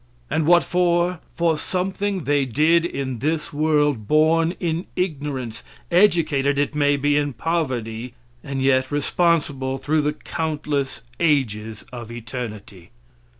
And what for? For something they did in this world; born in ignorance, educated it may be in poverty, and yet responsible through the countless ages of eternity.